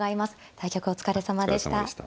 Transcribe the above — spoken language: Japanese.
対局お疲れさまでした。